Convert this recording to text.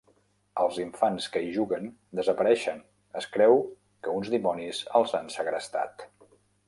Els infants que hi juguen desapareixen, es creu que uns dimonis els han segrestat.